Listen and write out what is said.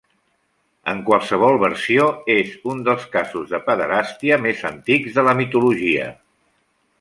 En qualsevol versió, és un dels casos de pederàstia més antics de la mitologia.